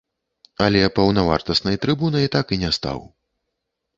Але паўнавартаснай трыбунай так і не стаў.